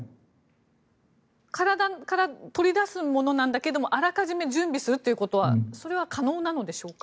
体から取り出すものなんだけどあらかじめ準備するということはそれは可能なのでしょうか。